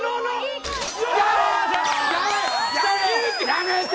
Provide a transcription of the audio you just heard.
やめて！